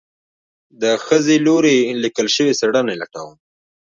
د ښځې لوري ليکل شوي څېړنې لټوم